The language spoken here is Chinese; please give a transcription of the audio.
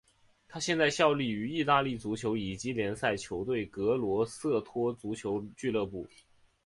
他现在效力于意大利足球乙级联赛球队格罗瑟托足球俱乐部。